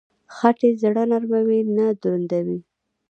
خټکی زړه نرموي، نه دروندوي.